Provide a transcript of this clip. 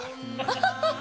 アハハッ！